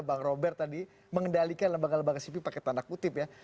bisa bang robert tadi mengendalikan lebaga lebaga sipil pakai tanda kutip ya